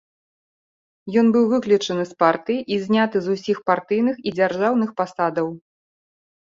Ён быў выключаны з партыі і зняты з усіх партыйных і дзяржаўных пасадаў.